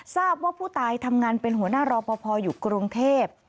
ทราบว่าผู้ตายทำงานเป็นหัวหน้ารอปภอยู่กรุงเทพ